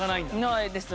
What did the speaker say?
ないです。